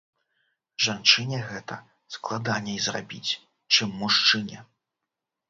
Жанчыне гэта складаней зрабіць, чым мужчыне.